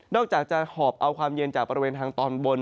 อกจากจะหอบเอาความเย็นจากบริเวณทางตอนบน